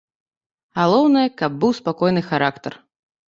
Галоўнае, каб быў спакойны характар.